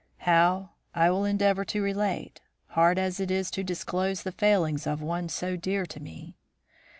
How, I will endeavour to relate, hard as it is to disclose the failings of one so dear to me.